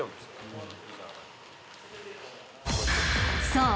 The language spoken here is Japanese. ［そう。